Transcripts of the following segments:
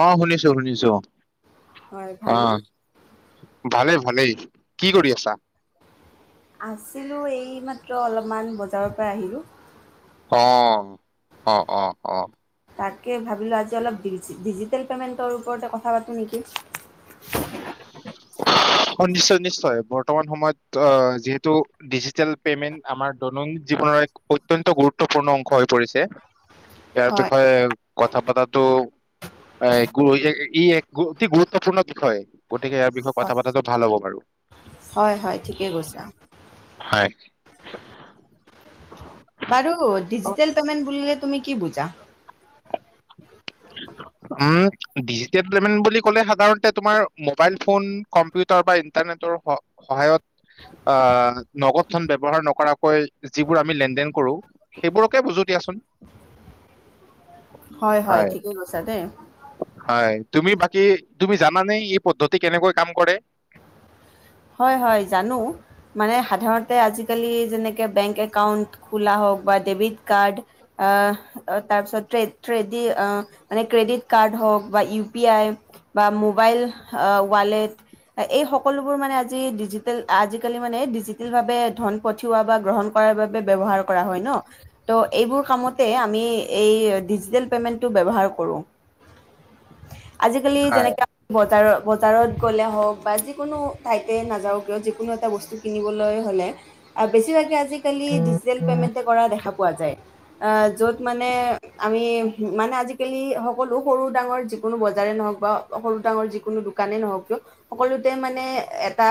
অ শুনিছো শুনিছো হয় ভালনে ভালে ভালেই কি কৰি আছা আছিলোঁ এইমাত্ৰ অলপমান বজাৰৰ পৰা আহিলোঁ। অ অ অ অ তাকে ভাবিলোঁ আজি অলপ ডিজিটেল পেমেণ্টৰ ওপৰতে কথা পাতোঁ নেকি। নিশ্চয় নিশ্চয় বৰ্তমান সময়ত যিহেতু ডিজিেল পেমেন্ট আমাৰ দৈনন্দিন জীৱনৰ এক অত্যন্ত গুৰুত্বপূৰ্ণ অংশ হৈ পৰিছে। ইয়াৰ হয় বিষয়ে কথা পতাটো ই এক অতি গুৰুত্বপূৰ্ণ বিষয় গতিকে ইয়াৰ বিষয় কথা হয় পতাটো ভাল হ'ব বাৰু হয় হয় ঠিকে কৈছা। হয় বাৰু ডিজিটেল পেমেন্ট বুলিলে তুমি কি বুজা? উম ডিজিটেল পেমেণ্ট বুলি কলে, সাধাৰণতে তোমাৰ মোবাইল ফোন, কম্পিউটাৰ বা ইণ্টাৰনেটৰ স সহায়ত আ নগদ ধন ব্যৱহাৰ নকৰাকৈ যিবোৰ আমি লেন দেন কৰোঁ, সেইবোৰকে বুজো দিয়াচোন। হয় হয় ঠিকে কৈ চাটে হয় তুমি বাকী তুমি জানানে এই পদ্ধতি কেনেকৈ কাম কৰে। হয় হয় জানো মানে সাধাৰতে আজিকালি যেনেকে বেংক একাউন্ট খোলা হওঁক বা ডেবিট কাৰ্ড তাৰপিছত মানে ক্ৰেডিট কাৰ্ড হওঁক বা ইউ পি আই বা মোবাইল ৱালেট এই সকলোবোৰ মানে ডিজিটেল আজিকালি মানে ডিজিটেল ভাৱে ধন পঠিওৱা বা গ্ৰহণ কৰাৰ বাবে ব্যৱহাৰ কৰা হয় ন ত' এইবোৰ কামতে আমি এই ডিজিটেল পেমেন্টটো ব্যৱহাৰ কৰোঁ। আজিকালি হয় যেনেকে বজাৰৰ বজাৰত গ'লে হওঁক বা যিকোনো ঠাই নাযাও কিয় যিকোনো এটা বস্তু কিনিবলৈ হলে বেছিভাগে আজিকালি ডিজিটেল পেমেন্ট কৰা দেখা পোৱা যায় আহ য'ত মানে আমি মানে আজিকালি সকলো সৰু ডাঙৰ যিকোনো বজাৰে নহক বা সৰু ডাঙৰ যিকোনো দোকানে নহওঁক কিয় সকলোতে মানে এটা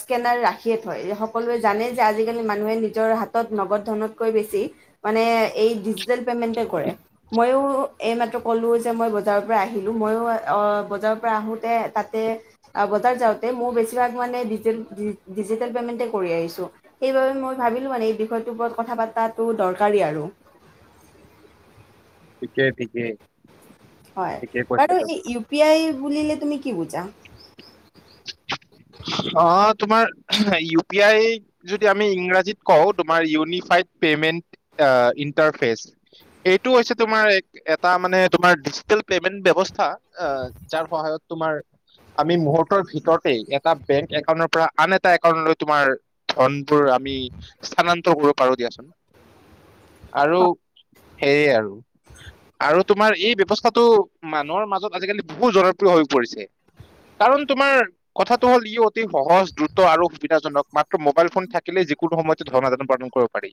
স্কেনাৰ ৰাখিয়ে থয় সকলোৱে জানে যে আজিকালি মানুহে নিজৰ হাতত নগদ ধনতকৈ বেছি মানে এই ডিজিটেল পেমেণ্টতে কৰে মইয়ো এইমাত্ৰ ক'লো যে মই বজাৰৰ পৰা আহিলো মইও অ বজাৰৰ পৰা আহোতে তাতে অ বজাৰ যাওঁতে মোৰ বেছি ডিজিটেল পেমেণ্টতে কৰি আহিছোঁ সেইবাবে মই ভাবিলোঁ মানে এই বিষয়টোৰ ওপৰত কথা পাতাটো দৰকাৰী আৰু ঠিকেই ঠিকেই হয় ঠিকেই কৈছা বাৰু তুমি। এই ইউ পি আই বুলিলে। তুমি কি বুজা অ তোমাৰ ইউ পি আই যদি আমি ইংৰাজীত কওঁ তোমাৰ ইউনিফাইড পেমেন্ট ইটাৰেচ এইটো হৈছে তোমাৰ এটা মানিজি পেমেন্ট যাৰ সহায়ত তোমাৰ আমিহ্তৰ ভিতৰতে। ৰ পৰা আন এটা একাট তোমাৰ ধন বোৰ আমি স্থান্তৰ কৰিব পাৰো দিয়াচোন আৰু সেয়ে আৰু আৰু তোমাৰ এই ব্ৱস্থাটো মানুহৰ মাজত আজিকালি বহু জনপ্ৰিয় হৈ পৰিছে কাৰণ তোমাৰ কথাত। হল ই অতি সহজ দ্ৰুত আৰু সুবিধাজনক মাত্ৰ মোবাইল ফোন থাকিলে যিকোনো সময়তে ধৰ্ৰ্ম আন পালন কৰিব পাৰি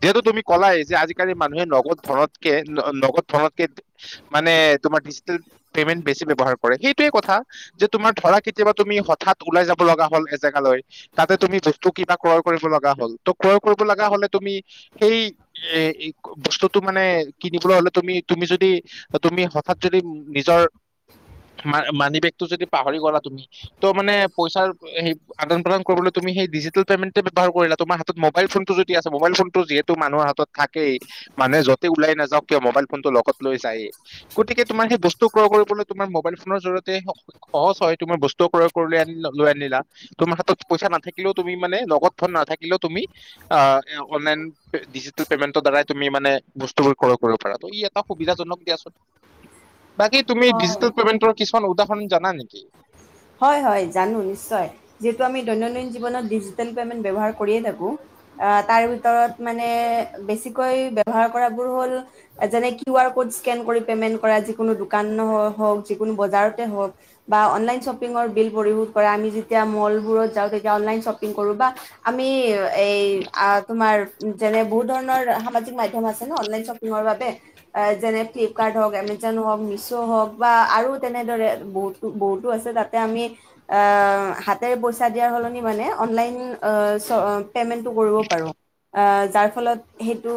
যিহেতু তুমি ক'লাই যে আজিকালি মানুহে ন ধকে নদ ধতকে মানে তোমাৰ ডিজিটেল পেমেন্ট বেছি ব্য্ৱহাৰ কৰে সেইটোৱে কথা যে তোমাৰ ধৰা কেতিয়াবা তুমি হাৎ ওলাই যাব লগা হ'ল এজেগালৈ তাতে তুমি বস্তু কিবা ক্ৰয় কৰিব লগা হ'ল ত ক্ৰয় কৰিব লগা হলে তুমি সেই এ বস্তুটো মানে কিনিবলৈ হলে তুমি তুমি যদি তুমি হঠাৎ যদি নিজৰা মানি বেগটো য পাহৰি গলা তুমি ত' মানে পইচাৰ স আদান প্ৰদান কৰিবলৈ তুমি সেই ডিজিটেল পেমেণ্টে ব্যয়হাৰ কৰিলা তোমাৰ হাতত মোবাইল ফোন টো যদি আছে মোবাইল ফোনটো যিহেতু মানুহৰ হাতত থাকেই মানুহ যতে ওলাই নাযাওক কিয় মোবাইল ফোনটো লগ লৈ যায়েই গতিকে তোমাৰ সেই ব্তু্ৰয় কৰিবলৈ তোমাৰ মোবাইল ফোননৰ জৰিয়তে সহজ হয় তোমাৰ বস্তু ক্ৰয় কৰিলৈ আন লৈ আ তোমাৰ হাতত পইচা নাথাকিলেও তুমি মানে লগত ফোন নাথাকিলেও তুমি অনলনিজিেমেন্টৰ দাৰুমি বস্তুোৰ ক্ৰ কৰিব পাৰা ই এটা সুবিধন দিয়ান। বাকী তুমি হয় জিটেল পেমেণ্টৰ কি খন উদাহৰণ জানা নেকি? হয় হয় জানো নিশ্চয়, যিহেতু আমি দৈনন্দিন জীৱনত ডিজিটেল পেমেণ্ট ব্যৱহাৰ কৰিয়ে থাকোঁ। তাৰ ভিতৰত মানে বেছিকৈ ব্যৱহাৰ কৰাবোৰ হ'ল, যেনে কিউ আৰ ক'ড স্কেন কৰি পেমেণ্ট কৰা যিকোনো দোকান হওক যিকোনো বজাৰতে হওক বা অনলাইন শ্বপ পিঙৰ বিল পৰিশোধ আমি যেতিয়া মলবোৰত যাওঁ তেতি অনলাইন শপিং কৰো বা আমি এই আ তোমাৰ যেনে বহুত ধৰণৰ সামাজিক মাধ্যম আছে ন অনলাইন শ্বপিঙৰ বাবে। এ যেনে ফ্লিপকাৰ্ট হওঁক, এমেজন হওক, মিছঅ' হওক বা আৰু তেনেদৰে বহুতো বহুতো আছে তাত। তে আমি আ হাতেৰে পইচা দিয়াৰ সলনি মানে অনলাইন অ চ পেমেন্টটো কৰিব পাৰোঁ। আ যাৰ ফলত সেইটো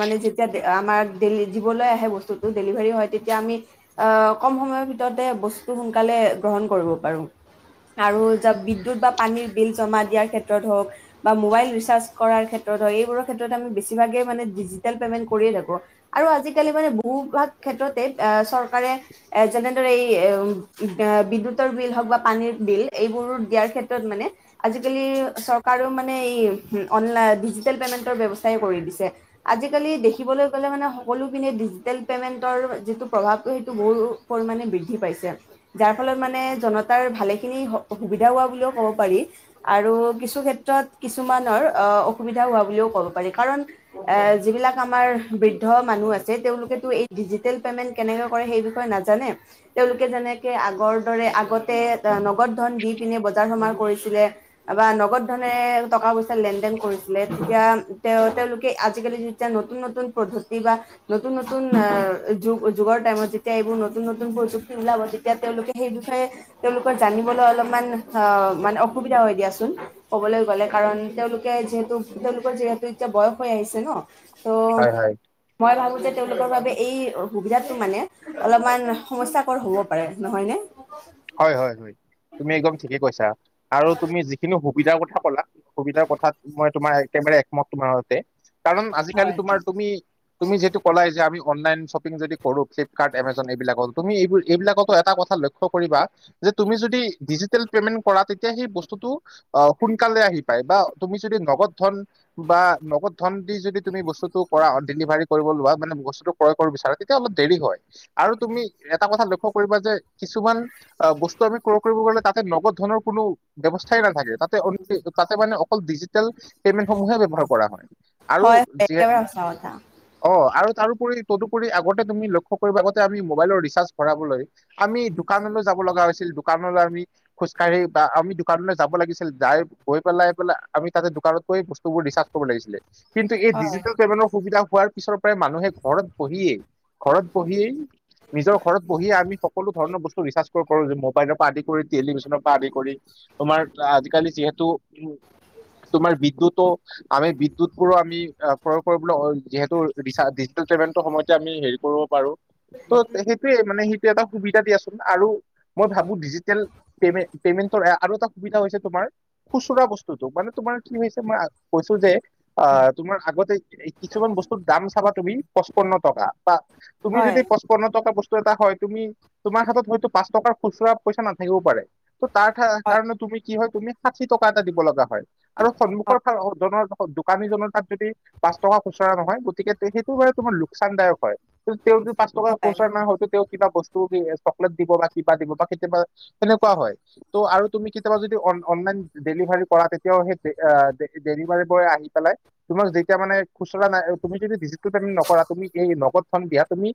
মানে যেতিয়া আমাক দেলি দিবলৈ আহে বস্তুটো ডেলিভাৰী হয় তেতিয়া আমি কম সময়ৰ ভিতৰতে বস্তু সোনকালে গ্ৰহণ কৰিব বাৰুঙ আৰু যাক বিদ্যুৎ বা পানীৰ বিল জমা দিয়াৰ ক্ষেত্ৰত হওক বা মোবাইল ৰিচাৰ্জ কৰাৰ ক্ষেত্ৰত হক এইবোৰৰ ক্ষেত্ৰত আমি বেছিভাগেই মানে ডিজিটেল পেমেণ্ট কৰিয়ে থাকোঁ আৰু আজিকালি মানে বহুভাগ ক্ষেত্ৰতে চৰকাৰে যেনেদৰে এই এম বে বিদ্যুত তৰ বিল হওক বা পানীৰ বিল এইবোৰ দিয়াৰ ক্ষেত্ৰত মানে আজিকালি চৰকাৰো মানে এই সো অনলাইন ডিজিটেল পেমেণ্টৰ ব্যৱস্থাই কৰি দিছে। আজিকালি দেখিবলৈ পালে মানে সকলো পিনে ডিজিটেল পেমেণ্টৰ যিটো প্ৰভাৱটো সেইটো বহুত পৰিমাণে বৃদ্ধি পাইছে। যাৰ ফলত মানে জনতাৰ ভালেখিনি হ সুবিধা হোৱা বুলিয় ক'ব পাৰি আৰু কিছু ক্ষেত্ৰত কিছুমানৰ অ অসুবিধা হোৱা বুলিও ক'ব পাৰি। কাৰণ এ যিবিলাক আমাৰ বৃঢ় মানুহ আছে তেওঁলোকেটো এই ডিজিটেল পেমেণ্ট কেনেকৈ কৰে সেই বিষয়ে নাজানে। তেওঁলোকে যেনেকে আগৰ দৰে আগ লগতে নগদ ধন দি পিনে বজাৰ সমাৰ কৰিছিলে বা নগদ ধনে টকা পইচাৰ লেন দেন কৰিছিলে। তেতিয়া তে তেওঁলোকে আজিকালি যেতিয়া নতুন নতুন পদ্ধতি বা নতুন নতুন আহ যুগ যুগৰ টাইমত যেতিয়া এইবোৰ নতুন নতুন প্ৰযুক্তি উলাব তেতিয়া তেওঁলোকে সেই বিষয়ে তেওঁলোকৰ জানিবলৈ অলপমান আহ মানে অসুবিধা হয় দিয়াচোন। কবলৈ গলে কাৰণ তেওঁলোকে যিহেতু তেওঁলোকৰ যিহেতু এতিয়া বয়স হৈ আহিছে ন। ত হয় হয় মই ভাবোতে তেওঁলোকৰ বাবে এই সুবিধাতটো মানে অলপমান সমস্যাকৰ হ'ব পাৰে নহয় নে? হয় হয় হয় তুমি একদম ঠিকে কৈছা। আৰু তুমি যিখিনি সুবিধাৰ কথা ক'লা সুবিধাৰ কথাত মই তোমাৰ একেবাৰে একমত তোমাৰ হতে। কাৰণ আজিকালি হয় হয় তোমাৰ তুমি, তুমি যিহেতু কলাই যে আমি অনলাইন শ্বপিং যদি কৰো ফ্লিপকাৰ্ট এমজন এইবিলাকত তুমি এইবোৰ এইবিলাকো এটা কথা লক্ষ্য কৰিবা তুমি যদি ডিজিটেল পেমেন্ট কৰা তেতিয়া সেই বস্তুটো সোনালে আহি পাই না তুমি যদি নগদ ধন বা নগদ ধন দি যদি তুমি বস্তুটো টো কৰাত ডেলিভাৰীত কৰিব লোৱা মানে বস্তু ক্ৰয় কৰিব বিচাৰে তেতিয়া অলপ দেৰি হয়। আৰু তুমি এটা কথা ল লক্ষ্য কৰিবা যে কিছুমান অ' বস্তু আমি ক্ৰয় কৰিব গলে তাতে নগদ ধনৰ কোনো' ব্যৱস্থাই নাথাকে তাতে অন লি-তাতে মানে অকল ডিজিটেল পেমেন্ট সমূহে ব্যৱহাৰ কৰা হয় আৰু হয় যিয়ে, একেবাৰে সঁচা কথা অ' আৰু তাৰোপৰি, তদুপৰি আগতে তুমি লক্ষ্য কৰিবা আগতে আমি মোবাইলৰ ৰিচাৰ্জ ভৰাবলৈ আমি দোকানলৈ যাব লগা হৈছিল। দোকানলৈ আমি খোজ আমি দোকানলৈ খোজ কাঢ়ি বা আমি দোকানলৈ কাঢ়ি যাব লাগিছিল, যাই, গৈ পেলাই-পেলাই আমি তাতে দোকানত গৈ বস্তুবোৰ ৰিচাৰ্জ কৰিব লাগিছিলে। কিন্তু এই হয় ডিজিটেল পেমেনৰ সুবিধা হোৱাৰ পিছৰ পৰাই মানুহে ঘৰত বহিয়ে-ঘৰত বহিয়ে, নিজৰ ঘৰত বহিয়ে আমি সকলো ধৰণৰ বস্তু ৰিচাজ টোৰ কৰো যেন মোবাইলৰ পৰা আদি কৰি, টেলিভিছনৰ পৰা আদি কৰি তোমাৰ আজিকালি যিহেতু উম, তোমাৰ বিদ্যুতো আমি বিদ্যুতবোৰো আমি আপ ক্ৰয় কৰিবলৈ অ', যিহেতু বিছা-ডিজিটেল পেমেণ্টৰ সময়তে আমি হেৰি কৰিব পাৰোঁ। ত' তেহেতে মানে হেই টো এটা সুবিধা দিয়াচোন আৰু মই ভাবো ডিজিটেল পেমে, পেমেন্টৰ এ আৰু এটা সুবিধা হৈছে তোমাৰ খুচুৰা বস্তুটো, মানে তোমাৰ কি হৈছে মই আ-কৈছো যে আ তোমাৰ আগতে এই কিছুমান বস্তুৰ দাম চাবা তুমি পঁচপন্ন টকা। বা, তুমি হয়, যদি পচপন্ন টকা বচ টো এটা হয় তুমি, তোমাৰ হাতত হয়তো পাঁচ টকাৰ খুচুৰা পইচা নাথাকিবও পাৰে তো তাৰ থা- হয়, কাৰণে তুমি কি হয়, তুমি ষাঠি টকা এটা দিব লগা হয়। আৰু সন্মুখৰ হয়, ফা- অ' জনৰ পা [unintelligible] অ' দোকানীজনৰ তাত যদি পাঁচ টকা খুচৰা নহয় গতিকে সেইটো বাৰু তোমাৰ লোকচানদায়ক হয়। কিন্তু তেওঁৰ যে পাঁচ টকা হয়, খুচৰা নাই, হয়টো তেওঁ কিবা বস্তু দিয়ে, চকলেট দিব পাই কিবা দিব বা কেতিয়াবা তেনেকুৱা হয়, ত' আৰু তুমি কেতিয়াবা যদি অন-অনলাইন ডেলিভাৰী কৰা তেতিয়াও সেই ডে, আ-ডে, ডেলিভাৰী বয় আহি পেলাই তোমাক যেতিয়া মানে খুচুৰা নাই, তুমি যদি ডিজিটেল পেমেন্ট নকৰা তুমি এই নগদ ধন দিয়া তুমি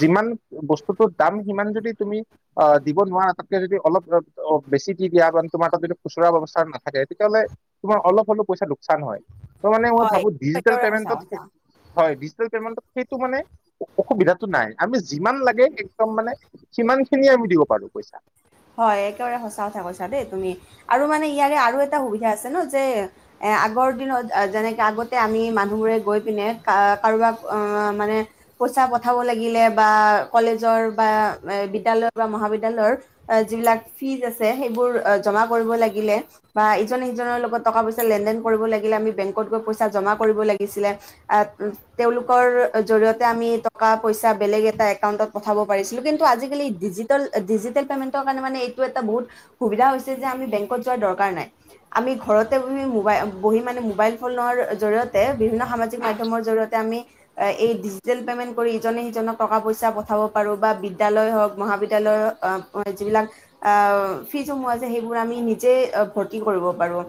যিমান বস্তুটোৰ দাম সিমান যদি তুমি অ' দিব নোৱাৰা তাতকে যদি অলপ অ' বেছি দি দিয়া বা তোমাৰ তাত যদি খুচুৰা ব্যৱস্থা নাথাকে, তেতিয়াহ'লে তোমাৰ অলপ হ'লেও পইচা লোক চান হয়। ত' মানে মই হয়, ভাবো ডিজিটেল একেবাৰে সঁচা পেমেণ্টত কথা। সেই, হয় ডিজিটেল পেমেণ্টত সেইটো মানে অ-অসুবিধাটো নাই, আমি যিমান লাগে একদম মানে সিমান খিনি আমি দিব পাৰো, পইচা। হয় একেবাৰে সঁচা কথা কৈছা দেই তুমি আৰু মানে ইয়াৰে আৰু এটা সুবিধা আছে ন যে এ আগৰ দিনত আ যেনেকে আগতে আমি মানুহবোৰে গৈ পিনে কা- কাৰোবাক আ-মানে পইচা পঠাব লাগিলে বা কলেজৰ বা এ বিদ্যালয় বা মহাবিদ্যালৰ আ যিবিলাক ফিজ আছে, সেইবোৰ আ জমা কৰিব লাগিলে বা ইজনে সিজনৰ লগত টকা পইচা লেনদেন কৰিব লাগিলে আমি বেংকত গৈ পইচা জমা কৰিব লাগিছিলে, আ উ তেওঁলোকৰ জৰিয়তে আমি টকা পইচা বেলেগ এটা একাউণ্টত পঠাব পাৰিছিলো কিন্তু আজি কালি ডিজিটেল, ডিজিটেল পেমেণ্ট ত' কাৱণে মানে এইটো এটা বহুত সুবিধা হৈছে যে আমি বেংকত যোৱাৰ দৰকাৰ নাই। আমি ঘৰতে বহি মোবাই, অ বহি মানে মোবাইল ফোনৰ জৰিয়তে বিভিন্ন সামাজিক মাধ্যমৰ জৰিয়তে আমি এই ডিজিটেল পেমেণ্ট কৰি ইজনে সিজনক টকা পইচা পঠাব পাৰো বা বিদ্যালয়ৰ হক মহাবিদ্যালয়ৰ আ যিবিলাক আ-ফিজসমূহ আছে সেইবোৰ আমি নিজে আ-ভৰ্তি কৰিব পাৰোঁ।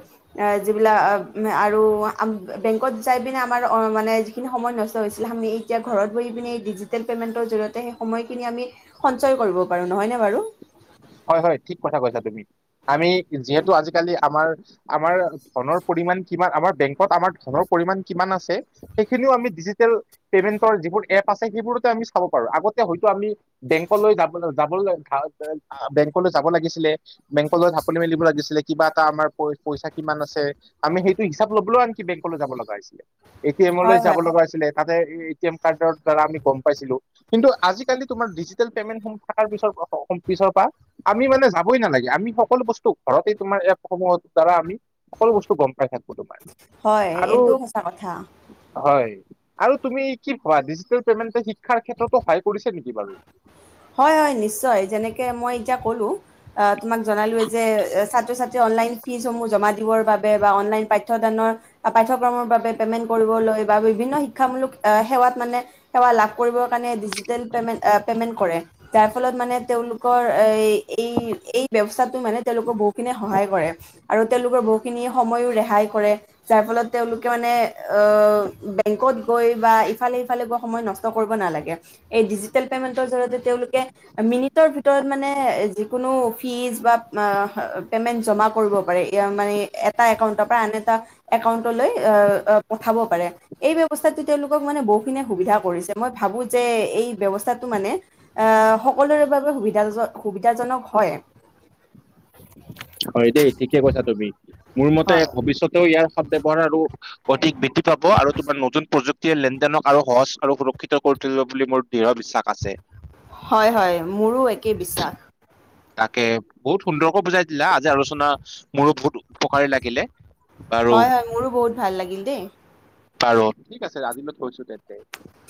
আ-যিবিলাক আব-আৰু আম-বেংকত যাই পিনে আমাৰ অ-মানে যিখিনি সময় নষ্ট হৈছিলে হামি এতিয়া ঘৰত বহি পিনে ডিজিটেল পেমেন্টৰ জৰিয়তে সেই সময়খিনি আমি সঞ্চয় কৰিব পাৰোঁ নহয়নে বাৰু? হয়, হয় ঠিক কথা কৈছা তুমি। আমি যিহেতু আজিকালি আমাৰ আমাৰ ধনৰ পৰিমান কিমান, আমাৰ বেংকত আমাৰ ধনৰ পৰিমান কিমান আছে সেইখিনিও আমি ডিজিটেল পেমেন্টৰ যিবোৰ এপ আছে সেইবোৰতে আমি চাব পাৰোঁ। আগতে হয়তো আমি বেংকলৈ যাবলৈ-যাবলৈ [unintelligible] বেংকলৈ যাব লাগিছিলে বেংকলৈ ঢাপলি মেলিব লাগিছিলে কিবা এটা আমাৰ পইচা কিমান আছে আমি সেইটো হিচাপ লবলৈও আনকি বেংক যাব লগা হৈছিলে এ টি এমলৈ হয় হয় যাব লগা আছিলে তাত এ টি এম কাৰ্ডৰ দ্বাৰা আমি গম পাইছিলো কিন্তু আজিকালি তোমাৰ ডিজিটেল পেমেণ্টসমূহ থকাৰ পিছত পিছৰ পৰা আমি মানে যাবই নালাগে আমি সকলো বস্তু ঘৰতে তোমাৰ এপসমূহৰ দ্বাৰা আমি সকলো বস্তু গম পাই থাকো তোমাৰ হয় আৰু এইটোও সঁচা কথা হয় আৰু তুমি কি ভাবা ডিজিটেল পেমেণ্ট শিক্ষাৰ ক্ষেত্ৰতো সহায় কৰিছে নেকি বাৰু হয় হয় নিশ্চয় যেনেকৈ মই এতিয়া ক'লোঁ অ তোমাক জনালোয়ে যে ছাত্ৰ ছাত্ৰী অনলাইন ফিজসমূহ জমা দিবৰ বাবে বা অনলাইন পাঠ্যদানৰ পাঠ্যক্ৰমৰ বাবে পে'মেণ্ট কৰিবলৈ বা বিভিন্ন শিক্ষামূলক সেৱাত মানে সেৱা লাভ কৰিবৰ কাৰণে ডিজিটেল পেমেণ্ট পে'মেণ্ট কৰে। যাৰ ফলত মানে তেওঁলোকৰ এই এই ব্যৱস্থাটো মানে তেওঁলোকৰ বহুতখিনিে সহায় কৰে আৰু তেওঁলোকৰ বহুতখিনি সময়ো ৰেহাই কৰে যাৰ ফলত তেওঁলোকে মানে বেংকত গৈ বা ইফালে সিফালে গৈ সময় নষ্ট কৰিব নালাগে এই ডিজিটেল পেমেন্টৰ জৰিয়তে তেওঁলোকে মিনিটৰ ভিতৰত মানে যিকোনো ফিজ বা পেমেন্ট জমা কৰিব পাৰে মানে এটা একাউন্টৰ পৰা আন এটা একাউন্টলৈ পঠাব পাৰে এই ব্যৱস্থাত তেওঁলোকক মানে বহুখিনিয়ে সুবিধা কৰিছে মই ভাবো যে এই ব্যৱস্থাটো মানে আহ সকলোৰে বাবে সুবিধা সুবিধাজনক হয় হয় দেই ঠিকে কৈছা তুমি মোৰ মতে হয় ভৱিষ্যতেও ইয়াৰ সৎ ব্যৱহাৰ আৰু অধিক বৃদ্ধি পাব আৰু তোমাৰ নতুন প্ৰযুক্তিয়ে লেনদেনক আৰু সহজ আৰু সুৰক্ষিত কৰি তুলিব বুলি মোৰ দৃঢ় বিশ্বাস আছে হয় হয় মোৰো একেই বিশ্বাস তাকে বহুত সুন্দৰকৈ বুজাই লা আজি আলোচনা মোৰো বহুত উপকাৰী লাগিলে। বাৰু হয় হয় মোৰো বহুত ভাল লাগিল দেই আৰু ঠিক আছে ৰাজিলৈ থৈছো তেন্তে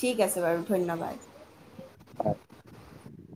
ঠিক আছে বাৰু ধন্যবাদ হয়